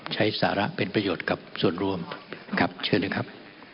ใช้สาระเป็นประโยชน์กับส่วนรวมครับเชิญนะครับ